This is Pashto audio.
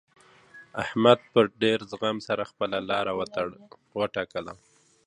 احمد په ډېر زغم سره خپله لاره وټاکله.